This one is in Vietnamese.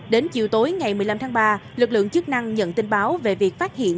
đến chiều tối ngày một mươi năm tháng ba lực lượng chức năng nhận tin báo về việc phát hiện